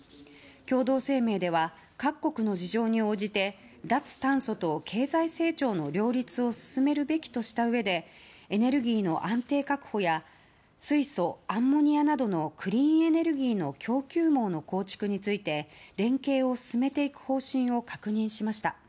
共同声明では各国の事情に応じて脱炭素と経済成長の両立を進めるべきとしたうえでエネルギーの安定確保や水素、アンモニアなどのクリーンエネルギーの供給網の構築について連携を進めていく方針を確認しました。